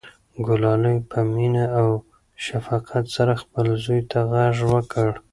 ګلالۍ په مینه او شفقت سره خپل زوی ته غږ وکړ.